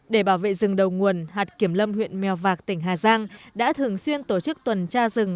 để bảo vệ rừng đầu nguồn hạt kiểm lâm huyện mèo vạc tỉnh hà giang đã thường xuyên tổ chức tuần tra rừng